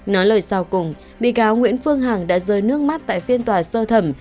nói lời sau cùng bị cáo nguyễn phương hằng đã rơi nước mắt tại phiên tòa sơ thẩm